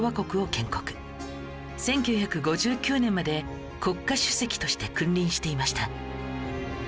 １９５９年まで国家主席として君臨していました